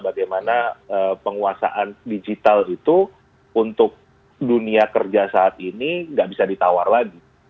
bagaimana penguasaan digital itu untuk dunia kerja saat ini nggak bisa ditawar lagi